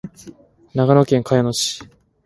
長野県茅野市